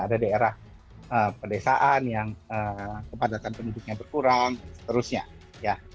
ada daerah pedesaan yang kepadatan penduduknya berkurang seterusnya ya